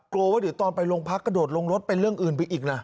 โกรธว่าถือตอนไปลงพักกระโดดลงรถเป็นเรื่องอื่นไปอีกนะ